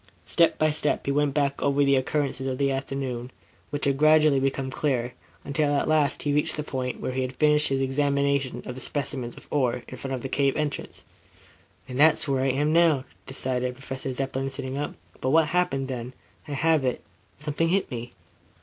Step by step he went back over the occurrences of the afternoon, which gradually became clearer, until at last he reached the point where he had finished his examination of the specimens of ore, in front of the cave entrance. "And that's where I am now," decided Professor Zepplin, sitting up. "But, what happened then? I have it. Something hit me."